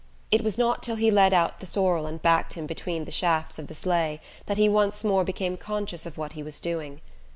It was not till he led out the sorrel and backed him between the shafts of the sleigh that he once more became conscious of what he was doing.